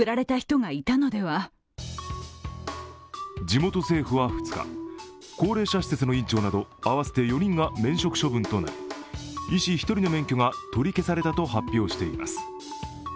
地元政府は２日、高齢者施設の院長など合わせて４人が免職処分となり医師１人の免許が取り消されたと発表しています。